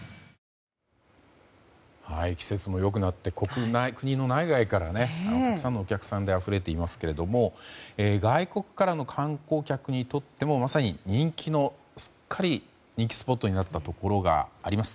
季節も良くなって国の内外からたくさんのお客さんであふれていますが外国からの観光客にとってもまさに人気スポットとなったところがあります。